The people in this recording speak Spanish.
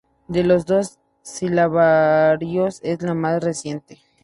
De los dos silabarios es el más reciente.